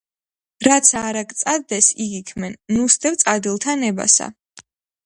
რაცა არ გწადდეს, იგი ქმენ, ნუ სდევ წადილთა ნებასა.